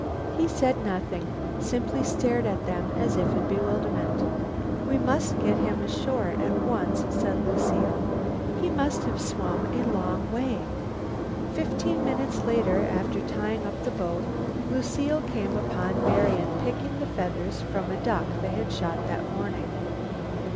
He said nothing, simply stared at them as if in bewilderment. "We must get him ashore at once," said Lucile. "He must have swum a long way." Fifteen minutes later, after tying up the boat, Lucile came upon Marian picking the feathers from a duck they had shot that morning.